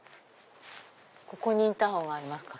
ここにインターホンがありますから。